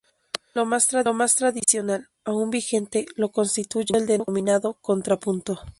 Lo más tradicional, aún vigente, lo constituye el denominado 'contrapunto'.